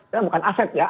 ya bukan aset ya